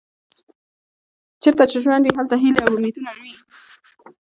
چیرته چې ژوند وي هلته هیلې او امیدونه وي.